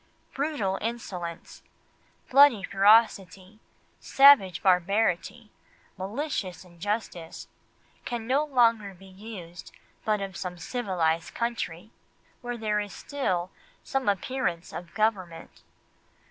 Brutal insolence, bloody ferocity, savage barbarity, malicious injustice, can no longer be used but of some civilised country, where there is still some appearance of government.